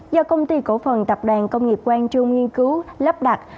do công ty cổ phần tập đoàn công nghiệp quang trung nghiên cứu lắp đặt